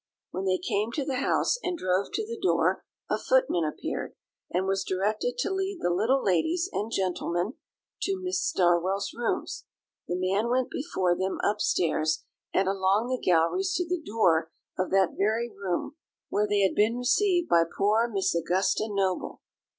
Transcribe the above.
When they came to the house and drove to the door, a footman appeared, and was directed to lead the little ladies and gentleman to Miss Darwell's rooms. The man went before them upstairs and along the galleries to the door of that very room where they had been received by poor Miss Augusta Noble.